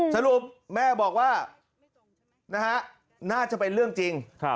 สรุปแม่บอกว่าน่าจะเป็นเรื่องจริง